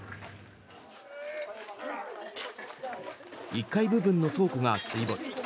１階部分の倉庫が水没。